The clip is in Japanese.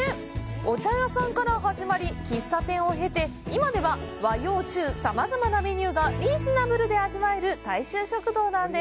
お茶屋さんから始まり、喫茶店を経て、今では、和洋中さまざまなメニューがリーズナブルで味わえる大衆食堂なんです。